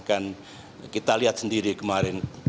kan kita lihat sendiri kemarin